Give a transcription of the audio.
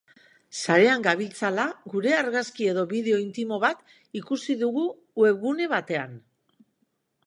Sarean gabiltzala, gure argazki edo bideo intimo bat ikusi dugu webgune batean.